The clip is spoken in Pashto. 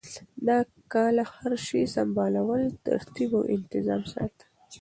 د کاله هر شی سمبالول ترتیب او انتظام ساتل